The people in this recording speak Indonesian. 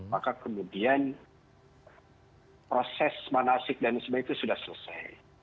maka kemudian proses manasik dan sebagainya itu sudah selesai